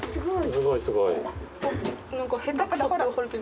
すごいすごい。